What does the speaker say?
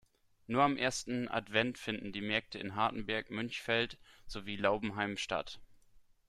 Nur am ersten Advent finden die Märkte in Hartenberg-Münchfeld sowie Laubenheim statt.